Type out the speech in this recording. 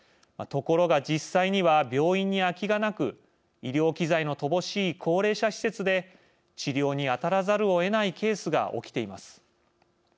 ところが実際には病院に空きがなく医療器材の乏しい高齢者施設で治療に当たらざるをえないケースが起きています。